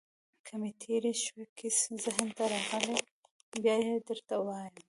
که مې تېرې شوې کیسې ذهن ته راغلې، بیا يې درته وایم.